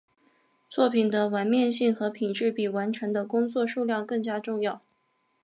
作品的完面性和品质比完成的工作数量更加重要。